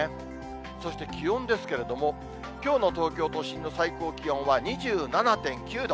そして気温ですけれども、きょうの東京都心の最高気温は２７．９度。